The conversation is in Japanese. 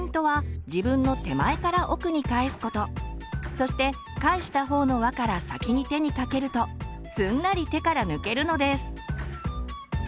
そして返したほうの輪から先に手にかけるとすんなり手から抜けるのです。